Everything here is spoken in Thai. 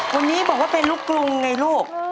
คนนี้บอกว่าเป็นลูกกรุงไงลูก